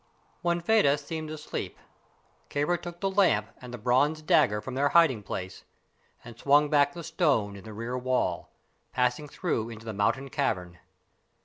When Fedah seemed asleep, Kāra took the lamp and the bronze dagger from their hiding place and swung back the stone in the rear wall, passing through into the mountain cavern.